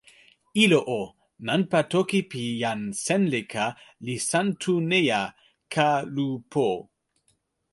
ilo o, nanpa toki pi jan Senleka li San Tu Neja, Ka Lu Po.